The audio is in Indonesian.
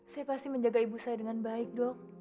saya pasti menjaga ibu saya dengan baik dok